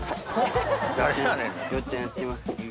よっちゃんやってみます。